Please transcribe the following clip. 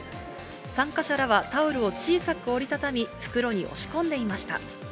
参加者らはタオルを小さく折りたたみ、袋に押し込んでいました。